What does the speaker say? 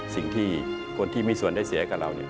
สิ่งที่คนที่มีส่วนได้เสียของเรา